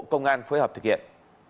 công an phối hợp thực hiện